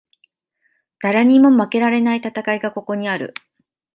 誰にも負けられない戦いがここにある